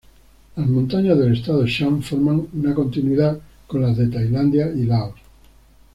Las montañas del estado Shan forman una continuidad con las de Tailandia y Laos.